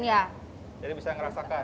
jadi bisa merasakan